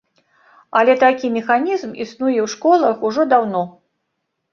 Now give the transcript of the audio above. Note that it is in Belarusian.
Але такі механізм існуе ў школах ужо даўно.